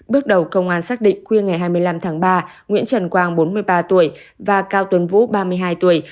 bước đầu công an xác định khuya ngày hai mươi năm tháng ba nguyễn trần quang bốn mươi ba tuổi và cao tuấn vũ ba mươi hai tuổi